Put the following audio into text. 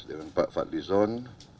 dengan pak fadlizon